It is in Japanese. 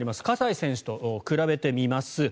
葛西選手と比べてみます。